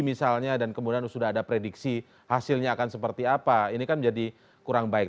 misalnya dan kemudian sudah ada prediksi hasilnya akan seperti apa ini kan menjadi kurang baik